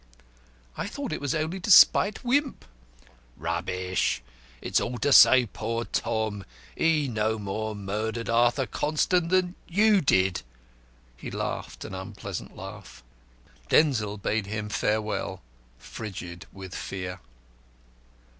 "I thought it was only to spite Wimp." "Rubbish. It's to save poor Tom. He no more murdered Arthur Constant than you did!" He laughed an unpleasant laugh. Denzil bade him farewell, frigid with fear.